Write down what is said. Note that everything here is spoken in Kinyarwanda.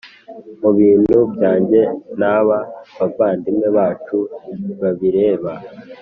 Mu bintu byanjye n aba bavandimwe bacu babireba